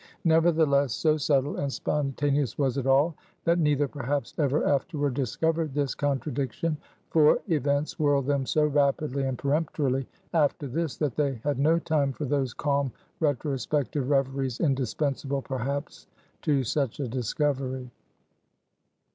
Nevertheless, so subtile and spontaneous was it all, that neither perhaps ever afterward discovered this contradiction; for, events whirled them so rapidly and peremptorily after this, that they had no time for those calm retrospective reveries indispensable perhaps to such a discovery.